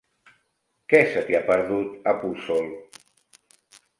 Què se t'hi ha perdut, a Puçol?